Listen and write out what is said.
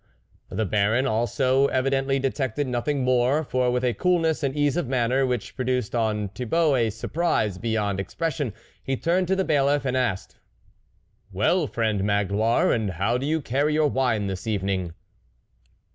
The Baron, also, evidently detected nothing more, for with a coolness and ease of manner, which produced on Thi bault a surprise beyond expression, he turned to the Bailiff, and asked :" Well, friend Magloire, and how do you carry your wine this evening